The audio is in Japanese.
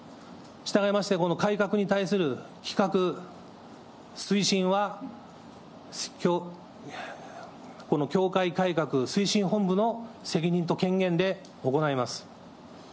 従いまして、この改革に対する企画推進は、この教会改革推進本部の責任と権限で行います。